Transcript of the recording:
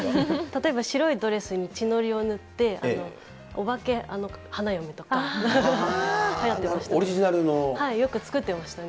例えば白いドレスに血のりを塗ってお化け花嫁とかやってました。